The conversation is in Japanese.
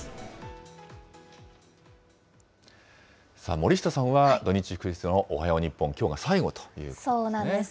森下さんは土日休日のおはよう日本、きょうが最後ということそうなんです。